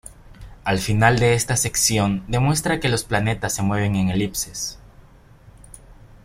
Al final de esta sección demuestra que los planetas se mueven en elipses.